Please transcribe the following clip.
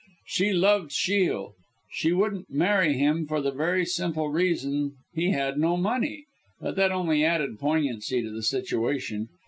She loved Shiel. She wouldn't marry him for the very simple reason he had no money but that only added poignancy to the situation.